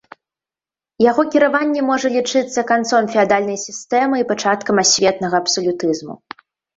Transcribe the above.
Яго кіраванне можа лічыцца канцом феадальнай сістэмы і пачаткам асветнага абсалютызму.